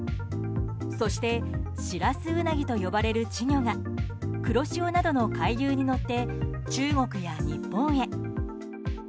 そしてシラスウナギと呼ばれる稚魚が黒潮などの海流に乗って中国や日本へ。